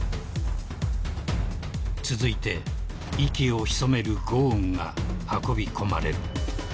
［続いて息を潜めるゴーンが運び込まれる］